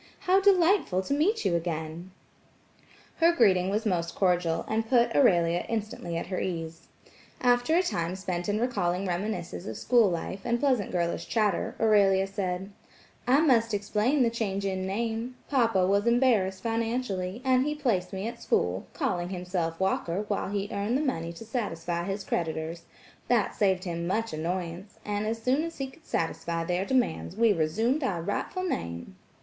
How delightful to meet you again." Her greeting was most cordial, and put Aurelia instantly at her ease. After a time spent in recalling reminiscences of school life, and pleasant girlish chatter, Aurelia said: "I must explain the change in name,–papa was embarrassed financially, and he placed me at school, calling himself Walker while he earned the money to satisfy his creditors; that saved him much annoyance, and as soon as he could satisfy their demands, we resumed our rightful name."